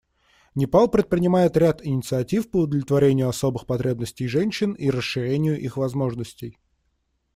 Непал предпринимает ряд инициатив по удовлетворению особых потребностей женщин и расширению их возможностей.